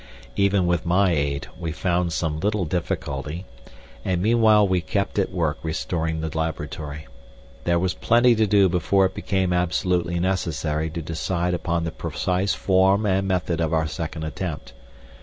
Even with my aid we found some little difficulty, and meanwhile we kept at work restoring the laboratory. There was plenty to do before it became absolutely necessary to decide upon the precise form and method of our second attempt.